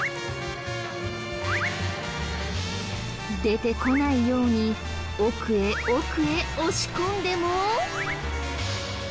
出てこないように奥へ奥へ押し込んでも。